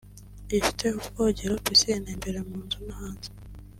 ifite ubwogero (Piscine) imbere mu nzu no hanze